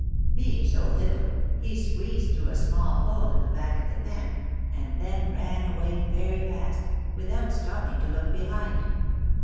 Being so little, he squeezed through a small hole in the back of the pen, and then ran away very fast, without stopping to look behind.